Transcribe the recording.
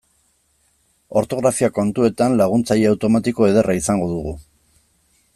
Ortografia kontuetan laguntzaile automatiko ederra izango dugu.